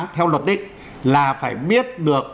theo luật định là phải biết được